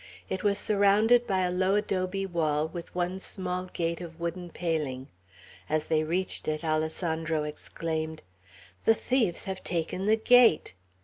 It was surrounded by a low adobe wall, with one small gate of wooden paling. As they reached it, Alessandro exclaimed, "The thieves have taken the gate!"